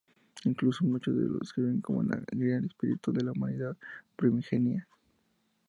Incluso muchos lo describen como el grial espiritual de la humanidad primigenia.